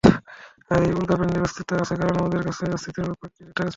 আর, এই উল্কাপিন্ডের অস্তিত্ব আছে কারণ আমাদের কাছে এর অস্তিত্বের স্বপক্ষে ডেটা আছে!